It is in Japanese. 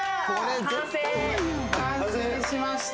完成完成しました